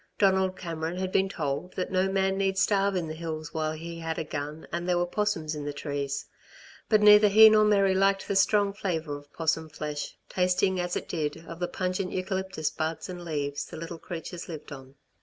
Donald Cameron had been told that no man need starve in the hills while he had a gun, and there were 'possums in the trees. But neither he nor Mary liked the strong flavour of 'possum flesh, tasting as it did, of the pungent eucalyptus buds and leaves the little creatures lived on.